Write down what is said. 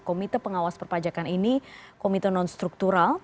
komite pengawas perpajakan ini komite non struktural